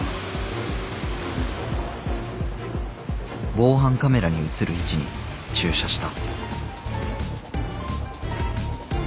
防犯カメラに写る位置に駐車した。